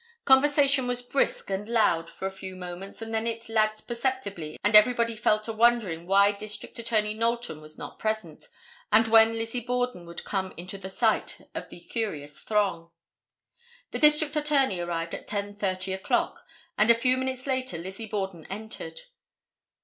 Conversation was brisk and loud for a few moments and then it lagged perceptibly and everybody fell to wondering why District Attorney Knowlton was not present, and when Lizzie Borden would come into the sight of the curious throng. The District Attorney arrived at 10:30 o'clock, and a few minutes later Lizzie Borden entered.